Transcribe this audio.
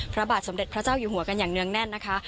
พระบาทสมเด็จพระเจ้าอยู่หัวกันอย่างเนื่องแน่นนะคะ